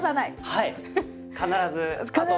はい。